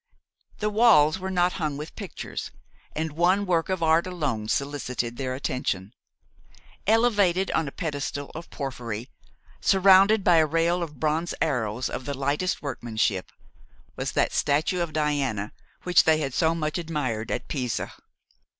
The walls were not hung with pictures, and one work of art alone solicited their attention. Elevated on a pedestal of porphyry, surrounded by a rail of bronze arrows of the lightest workmanship, was that statue of Diana which they had so much admired at Pisa.